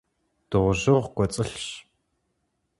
Дыгъужьыгу кӀуэцӀылъщ.